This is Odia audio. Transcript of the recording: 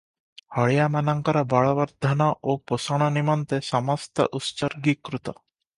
ହଳିଆ ମାନଙ୍କର ବଳବର୍ଦ୍ଧନ ଓ ପୋଷଣ ନିମନ୍ତେ ସମସ୍ତ ଉତ୍ସର୍ଗି କୃତ ।